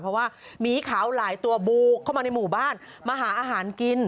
เพราะว่าหมีขาวหลายตัวบูเข้ามาในหมู่บ้านมาหาอาหารกิน